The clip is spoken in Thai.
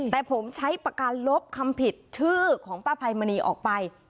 แต่ผมใช้ประการลบคำผิดชื่อของป้าภัยมณีออกไป